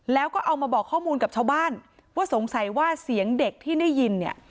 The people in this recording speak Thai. แล้วก็เอามาบอกข้อมูลกับชาวบ้านว่าสงสัยว่าเสียงเด็กที่ได้ยินเนี่ย